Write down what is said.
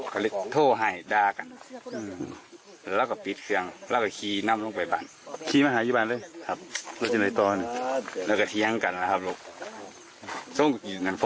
โกหกไปแปลดด้วย